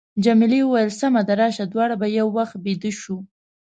جميلې وويل:، سمه ده، راشه دواړه به یو وخت بېده شو.